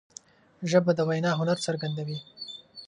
ژبه د وینا هنر څرګندوي